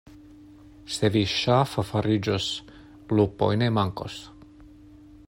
Se vi ŝafo fariĝos, lupoj ne mankos.